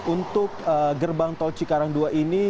untuk gerbang tol cikarang dua ini